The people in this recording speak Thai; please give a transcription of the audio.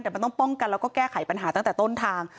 แต่มันต้องป้องกันแล้วก็แก้ไขปัญหาตั้งแต่ต้นทาง